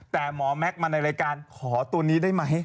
แต่หมอแม็กซ์มาในรายการขอตัวนี้ได้ไหม